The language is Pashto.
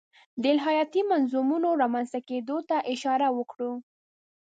د الهیاتي منظومو رامنځته کېدو ته اشاره وکړو.